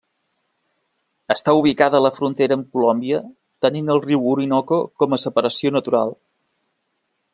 Està ubicada a la frontera amb Colòmbia, tenint el riu Orinoco com a separació natural.